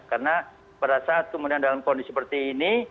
karena pada saat kemudian dalam kondisi seperti ini